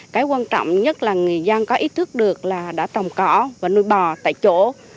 cái quan trọng nhất là người dân có ý thức được là đã trồng cỏ và nuôi bò tại chỗ